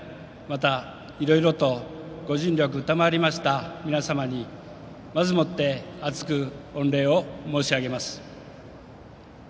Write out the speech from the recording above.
また、いろいろとご尽力賜りました皆様にまずもって厚く御礼を申し上げます。